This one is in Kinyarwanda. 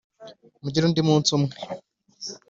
mugire undi munsi umwe.